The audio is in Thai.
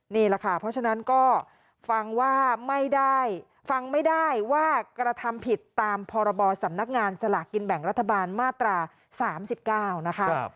นี่แหละค่ะเพราะฉะนั้นก็ฟังว่าไม่ได้ฟังไม่ได้ว่ากระทำผิดตามพรบสำนักงานสลากกินแบ่งรัฐบาลมาตรา๓๙นะคะ